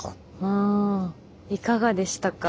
うんいかがでしたか？